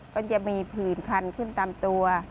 ก็จะมีผื่นคันขึ้นตามตัว